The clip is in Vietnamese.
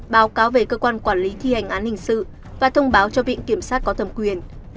báo cáo về cơ quan quản lý thi hành án hình sự và thông báo cho viện kiểm sát có thẩm quyền